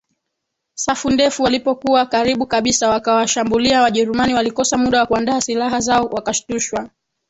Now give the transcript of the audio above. safu ndefu walipokuwa karibu kabisa wakawashambuliaWajerumani walikosa muda wa kuandaa silaha zao wakashtushwa